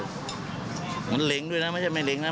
แต่ว่ามันเหล็กด้วยน้ะไม่ใช่ไม่เหล็กนะ